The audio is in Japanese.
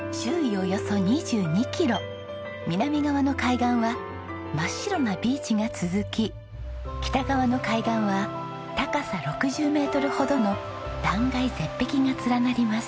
およそ２２キロ南側の海岸は真っ白なビーチが続き北側の海岸は高さ６０メートルほどの断崖絶壁が連なります。